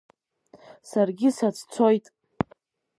Саргьы сацәцоит.